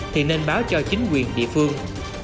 thì nên báo cho chính quyền địa phương